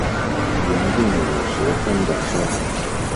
原订五十分的车